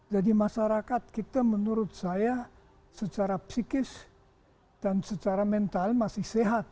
jadi masyarakat kita menurut saya secara psikis dan secara mental masih sehat